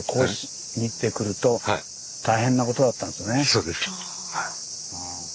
そうです。